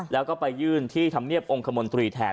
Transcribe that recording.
แล้วก็ไปยื่นที่ธรรมเนียบองค์คมนตรีแทน